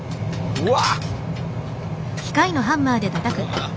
うわ。